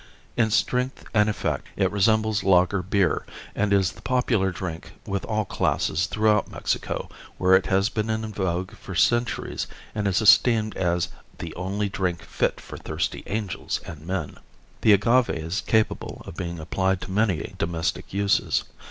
In strength and effect it resembles lager beer, and is the popular drink with all classes throughout Mexico where it has been in vogue for centuries and is esteemed as "the only drink fit for thirsty angels and men." The agave is capable of being applied to many domestic uses.